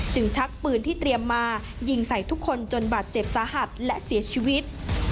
ชักปืนที่เตรียมมายิงใส่ทุกคนจนบาดเจ็บสาหัสและเสียชีวิต